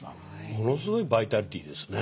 ものすごいバイタリティーですね。